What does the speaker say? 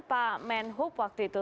pak menhub waktu itu